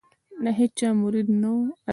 د هیچا مرید نه وو.